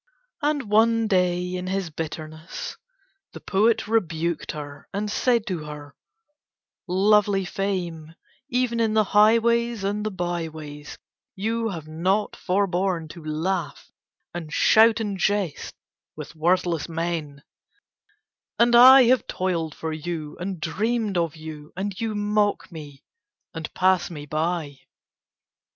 And one day in his bitterness the poet rebuked her, and said to her: "Lovely Fame, even in the highways and the byways you have not foreborne to laugh and shout and jest with worthless men, and I have toiled for you and dreamed of you and you mock me and pass me by."